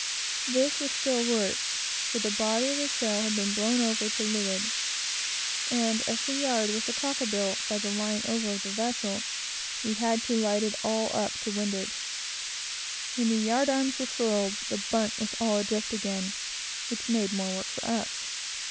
This was still worse, for the body of the sail had been blown over to leeward, and as the yard was a cock bill by the lying over of the vessel, we had to light it all up to windward. When the yard arms were furled, the bunt was all adrift again, which made more work for us.